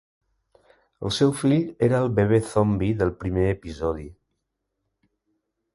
El seu fill era el bebè zombi del primer episodi.